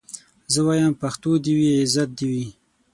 زه وايم پښتو دي وي عزت دي وي